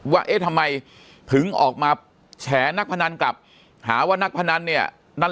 ว่าเอ๊ะทำไมถึงออกมาแฉนักพนันกลับหาว่านักพนันเนี่ยนั่น